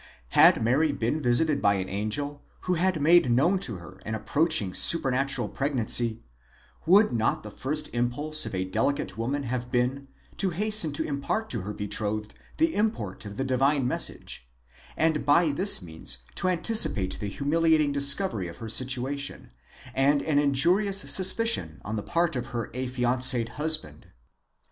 Had Mary been visited by an angel, who had made known to her an approaching supernatural pregnancy, would not the first impulse of a delicate woman have been, to hasten to impart to her betrothed the import of the divine message, and by this means to antici pate the humiliating discovery of her situation, and an injurious suspicion on the part of her affianced husband.